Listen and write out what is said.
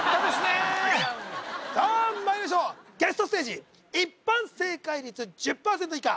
まいりましょうゲストステージ一般正解率１０％以下